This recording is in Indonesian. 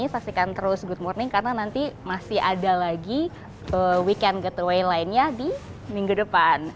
saksikan terus good morning karena nanti masih ada lagi weekend getaway lainnya di minggu depan